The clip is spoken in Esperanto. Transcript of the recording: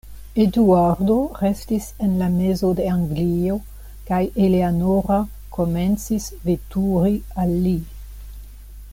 Eduardo restis en la mezo de Anglio, kaj Eleanora komencis veturi al li.